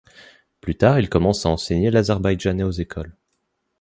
Plus tard, il commence à enseigner l’azerbaïdjanais aux écoles.